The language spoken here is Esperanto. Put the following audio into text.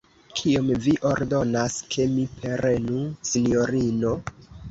Kiom vi ordonas, ke mi prenu, sinjorino?